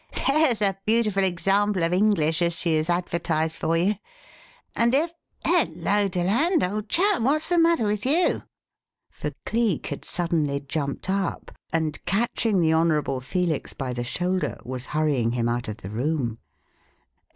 "There's a beautiful example of English as she is advertised for you; and if Hullo, Deland, old chap, what's the matter with you?" For Cleek had suddenly jumped up and, catching the Honourable Felix by the shoulder, was hurrying him out of the room.